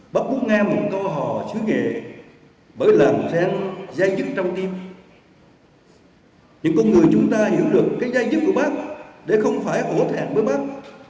bác muốn nghe một câu hò sứ nghệ bởi làng sen gia dứt trong tim những con người chúng ta hiểu được cái gia dứt của bác để không phải ổn hạn với bác